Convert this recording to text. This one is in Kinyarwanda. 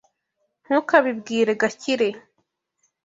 Ntukabibwire Gakire.